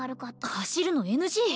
走るの ＮＧ？